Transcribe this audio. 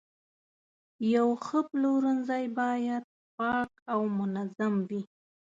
یو ښه پلورنځی باید پاک او منظم وي.